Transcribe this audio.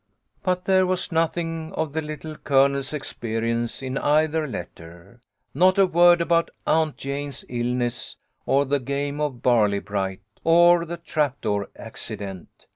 But there was nothing of the Little Colonel's experience, in either letter. Not a word about Aunt Jane's illness, or the game of barley bright, or the trap door accident.